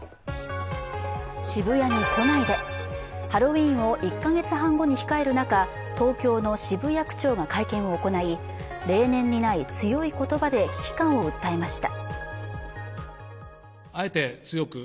渋谷に来ないで、ハロウィーンを１か月半後に控える中、東京の渋谷区長が会見を行い、例年にない強い言葉で危機感を訴えました。